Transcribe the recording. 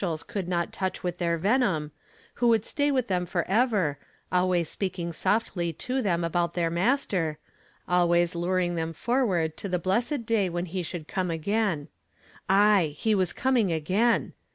als eo,,ld not toneh with their venom, who would stay w,th them foreve,', always s,«aking softly to the,,, abont their Master, always luring them for ward to the blessed day when he should come 842 YESTEnDAY FRAMED IN TO DAY. again. Aye, ho was coming again!